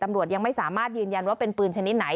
ตำรวจยังไม่สามารถยืนยันว่าเป็นปืนชนิดไหน